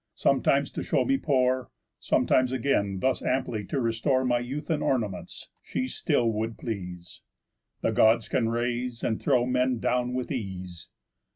Sometimes to show me poor, Sometimes again thus amply to restore My youth and ornaments, she still would please. _The Gods can raise, and throw men down, with ease."